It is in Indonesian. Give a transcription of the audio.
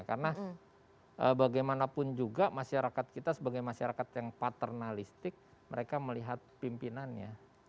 karena bagaimanapun juga masyarakat kita sebagai masyarakat yang paternalistik mereka melihat pimpinannya